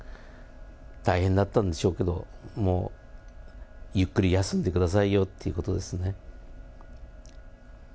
大変だったでしょうけど、もうゆっくり休んでくださいよっていうことですね。